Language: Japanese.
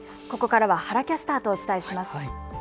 ここからは原キャスターとお伝えします。